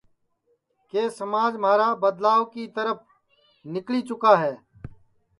کہ سماج مہارا بدلاو کی ترپھ نِکݪی چُکا ہے